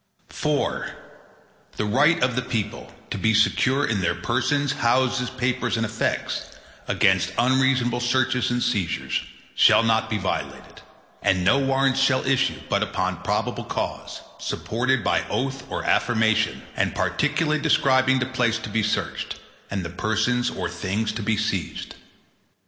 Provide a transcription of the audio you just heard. IV The right of the people to be secure in their persons, houses, papers, and effects, against unreasonable searches and seizures, shall not be violated, and no Warrants shall issue, but upon probable cause, supported by oath or affirmation, and particularly describing the place to be searched, and the persons or things to be seized.